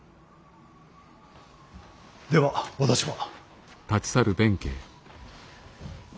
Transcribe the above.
では私は。